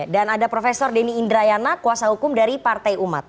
dan ada profesor deni indrayana kuasa hukum dari partai umat